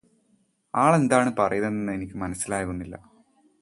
അവളെന്താണ് പറയുന്നതെന്ന് എനിക്ക് മനസ്സിലാകുന്നില്ല